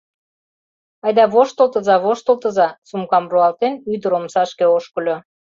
— Айда воштылтыза, воштылтыза, — сумкам руалтен, ӱдыр омсашке ошкыльо.